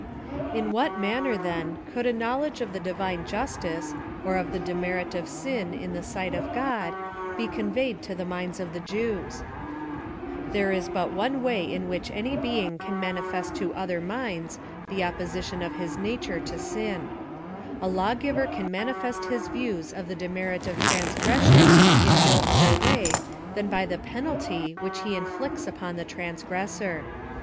In what manner, then, cou^d a knowledge of the Divine Justice, or of the demerit of sin in the sight of God, he conveyed to the minds of the Jews ? There is but one way in which any being can manifest to other minds the opposition of his nature to sin. A lawgiver can manifest his views of the demerit of transgression in no other way than by the penalty which he inflicts upon the transgressor.